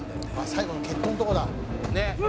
「最後の決闘のとこだ」